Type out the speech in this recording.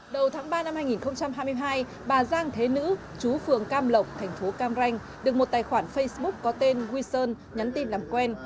đầu tháng ba năm hai nghìn hai mươi hai bà giang thế nữ chú phường cam lộc thành phố cam ranh được một tài khoản facebook có tên wilson nhắn tin làm quen